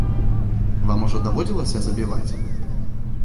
Вам ужо даводзілася забіваць?